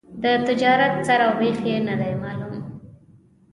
د تجارت سر او بېخ یې نه دي معلوم.